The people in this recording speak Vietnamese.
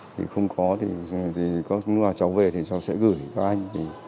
thì không có thì nếu mà cháu về thì cháu sẽ gửi các anh